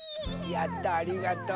やったありがとう。